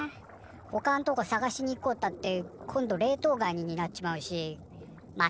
ほかんとこ探しに行こうったって今度冷凍ガニになっちまうしま